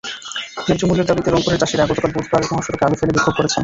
ন্যায্য মূল্যের দাবিতে রংপুরের চাষিরা গতকাল বুধবার মহাসড়কে আলু ফেলে বিক্ষোভ করেছেন।